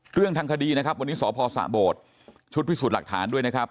เรื่องทางคดีนะครับวันนี้สพสะโบดชุดพิสูจน์หลักฐานด้วยนะครับ